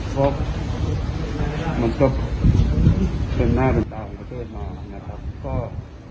เพราะมันก็เป็นหน้าเป็นปัญหาประเทศมา